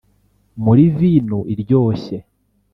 muri vino iryoshye